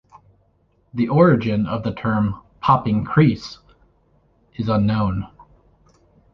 The origin of the term "popping crease" is unknown.